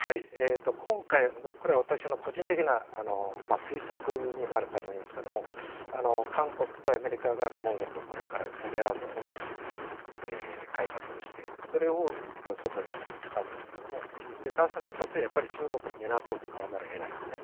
今回、これは私の個人的な推測になるかと思うんですが韓国とアメリカがモンゴルとこれからレアアースを本格的に開発をしてそれを外に出すんですが出すに当たって中国の港を使わざるを得ないんですね。